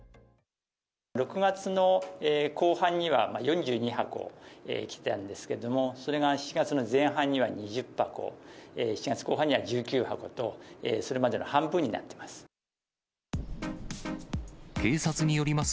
６月の後半には、４２箱来てたんですけども、それが７月の前半には２０箱、７月後半には１９箱と、それまでの半分になってます。